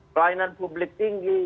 kelainan publik tinggi